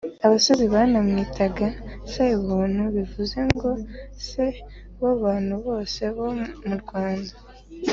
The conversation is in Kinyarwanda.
Abasizi banamwitaga Sebantu bivuze ngo: se w'abantu bose bo mu Rwanda